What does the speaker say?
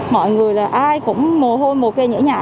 mọi người là ai cũng mồ hôi mồ kè nhỏ